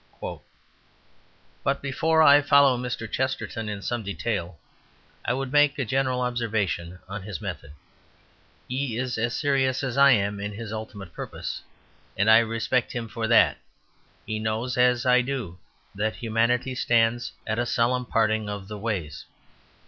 "But before I follow Mr. Chesterton in some detail I would make a general observation on his method. He is as serious as I am in his ultimate purpose, and I respect him for that. He knows, as I do, that humanity stands at a solemn parting of the ways.